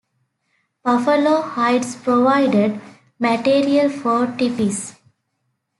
Buffalo hides provided material for tipis.